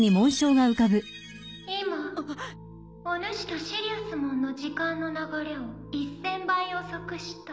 ・今おぬしとシリウスモンの時間の流れを１，０００倍遅くした。